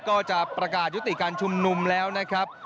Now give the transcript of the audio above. ก็จะประกาศยุติการชุมนุมแล้วนะครับ